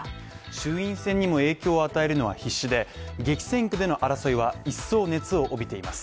衆院選にも影響を与えるのは必至で激戦区での争いは一層、熱を帯びています。